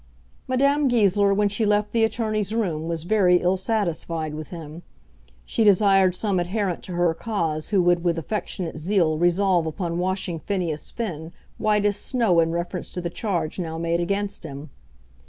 Madame Goesler when she left the attorney's room was very ill satisfied with him. She desired some adherent to her cause who would with affectionate zeal resolve upon washing Phineas Finn white as snow in reference to the charge now made against him.